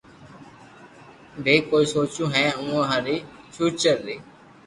بي ڪوئي سوچوو ھي اووہ ري فيوچر ري